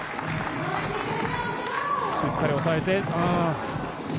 しっかり押さえて。